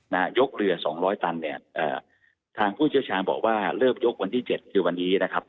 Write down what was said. นายกเรือสองร้อยตันเนี่ยเอ่อทางผู้เชี่ยวชาญบอกว่าเริ่มยกวันที่เจ็ดคือวันนี้นะครับ